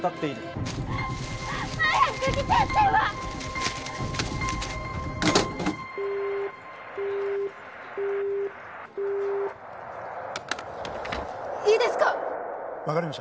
いいですか！？